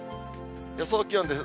予想気温です。